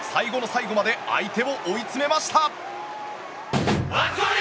最後の最後まで相手を追い詰めました。